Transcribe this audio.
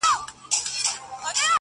ستا په غېږ کي دوه ګلابه خزانېږي،